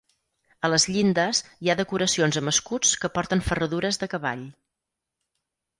A les llindes hi ha decoracions amb escuts que porten ferradures de cavall.